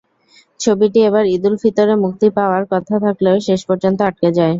ছবিটি এবার ঈদুল ফিতরে মুক্তি পাওয়ার কথা থাকলেও শেষ পর্যন্ত আটকে যায়।